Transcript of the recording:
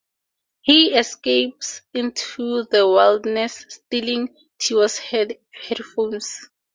He escapes into the wilderness, stealing Tiwa's headphones.